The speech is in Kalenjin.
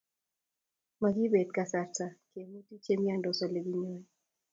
makipet kasarta kemuti che miandos ole kinyoi